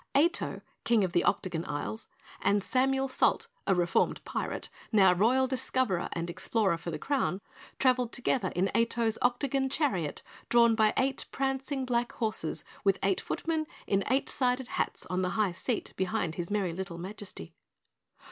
Ato, King of the Octagon Isles, and Samuel Salt, a reformed Pirate, now Royal Discoverer and Explorer for the Crown, traveled together in Ato's Octagon Chariot drawn by eight prancing black horses with eight footmen in eight sided hats on the high seat behind his merry little Majesty.